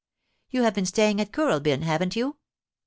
You have been staying at Kooralbyn, haven't you?